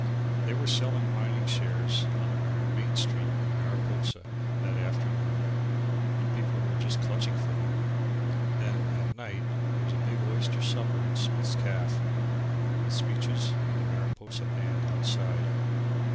They were selling mining shares on the Main Street in Mariposa that afternoon and people were just clutching for them. Then at night there was a big oyster supper in Smith's caff, with speeches, and the Mariposa band outside.